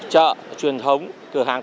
chợ truyền thống cửa hàng